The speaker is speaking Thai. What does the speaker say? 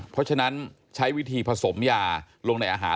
เพราะฉะนั้นใช้วิธีผสมยาลงในอาหาร